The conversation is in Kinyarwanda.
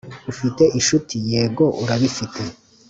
ufite inshuti, yego urabifite